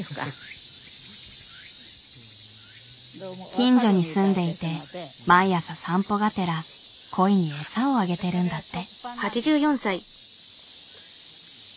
近所に住んでいて毎朝散歩がてらコイにえさをあげてるんだって。